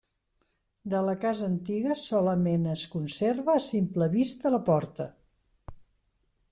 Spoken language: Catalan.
De la casa antiga solament es conserva a simple vista la porta.